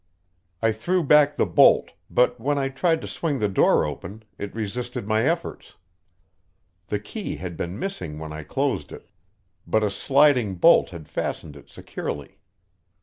I threw back the bolt, but when I tried to swing the door open it resisted my efforts. The key had been missing when I closed it, but a sliding bolt had fastened it securely.